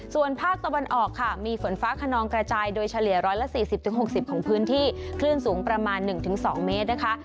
ส่วนภาคตะวันออกค่ะมีฝนฟ้าขนองกระจายโดยเฉลี่ย๑๔๐๖๐ของพื้นที่คลื่นสูงประมาณ๑๒เมตรนะคะ